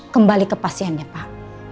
kembali ke pasiennya pak